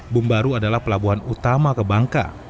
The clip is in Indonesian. bumbaru adalah pelabuhan utama ke bangka